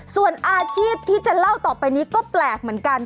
ส่วนอาชีพที่จะเล่าต่อไปนี้ก็แปลกเหมือนกัน